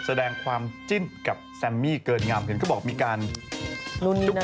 แสดงความจิ้นกับแซมมี่เกิดงามเพลงเขาบอกมีการนู่นนี่นี่นอก